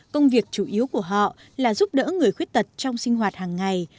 công việc chủ yếu của họ là giúp đỡ người khuyết tật trong sinh hoạt hàng ngày